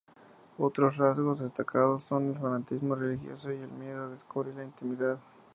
Otros rasgos destacados son el fanatismo religioso y el miedo a descubrir la intimidad.